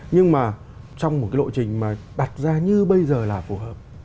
nhưng mà trong một cái lộ trình mà đặt ra như bây giờ là phù hợp